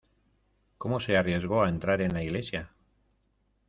¿ cómo se arriesgó a entrar en la iglesia?